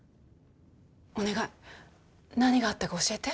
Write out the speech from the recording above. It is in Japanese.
お願い何があったか教えて？